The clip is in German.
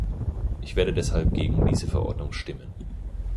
Ich werde deshalb gegen diese Verordnung stimmen.